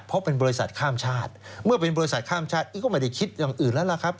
เพราะเป็นบริษัทข้ามชาติเมื่อเป็นบริษัทข้ามชาติก็ไม่ได้คิดอย่างอื่นแล้วล่ะครับ